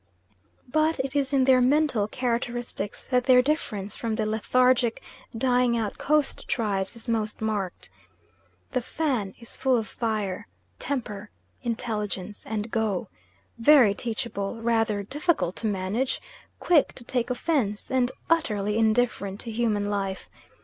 But it is in their mental characteristics that their difference from the lethargic, dying out coast tribes is most marked. The Fan is full of fire, temper, intelligence and go; very teachable, rather difficult to manage, quick to take offence, and utterly indifferent to human life.